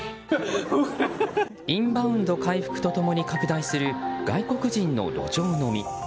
インバウンド回復と共に拡大する外国人の路上飲み。